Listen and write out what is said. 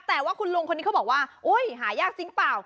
แต่ว่าคุณลุงคนนี้เขาบอกว่าโอ๊ยหายากจริงเปล่า